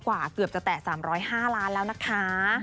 ๓๔๐๐๐๐กว่าเกือบจะแต่๓๐๕ล้านบาทแล้วนะคะ